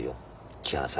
木原さん